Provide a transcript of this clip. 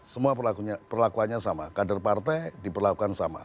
semua perlakuannya sama kader partai diperlakukan sama